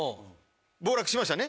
暴落しましたね。